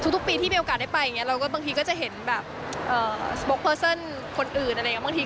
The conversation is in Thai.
ทุกปีที่มีโอกาสได้ไปอย่างเงี้ยเราก็บางทีก็จะเห็นแบบคนอื่นอะไรอย่างเงี้ย